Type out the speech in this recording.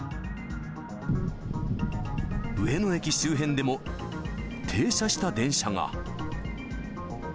上野駅周辺でも、停車した電車が。